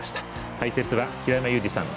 解説は平山ユージさん